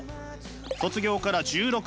卒業から１６年。